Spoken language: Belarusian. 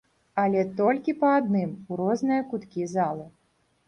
Але толькі па адным, у розныя куткі залы.